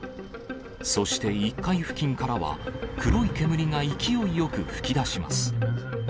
そして１階付近からは、黒い煙が勢いよく噴き出します。